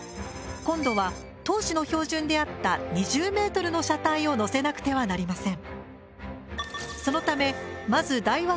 今度は当時の標準であった２０メートルの車体を載せなくてはなりません。